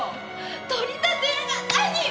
取り立て屋が何よ！